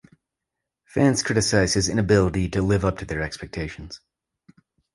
Fans criticize his inability to live up to their expectations.